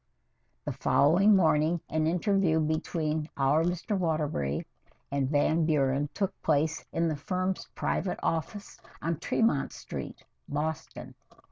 The following morning an interview between "our Mr. Waterbury" and Van Buren took place in the firm's private office on Tremont Street, Boston.